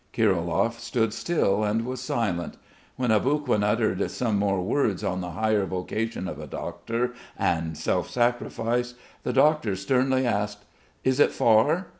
Kirilov stood still and was silent. When Aboguin uttered some more words on the higher vocation of a doctor, and self sacrifice, the doctor sternly asked: "Is it far?"